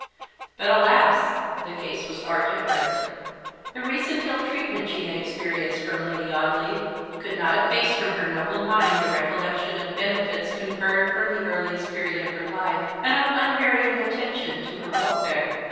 But alas! the case was far different. The recent ill treatment she had experienced from Lady Audley could not efface from her noble mind the recollection of benefits conferred from the earliest period of her life, and of unvarying attention to her welfare.